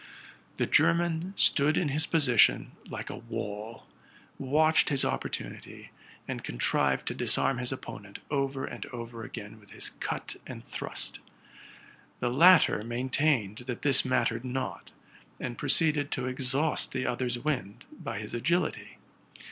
The German stood in his position like a wall, w atched his oppor tunity, and contrived to disarm his opponent over and over again with his cut and thrust. The latter maintained that this mattered not, and proceeded to exhaust the other's wind by his agility.